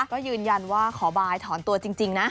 ก็ยืนยันว่าขอบายถอนตัวจริงนะ